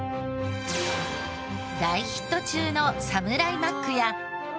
大ヒット中のサムライマックや。